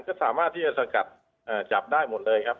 ก็สามารถที่จะสกัดจับได้หมดเลยครับ